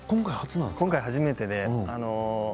今回、初めてで。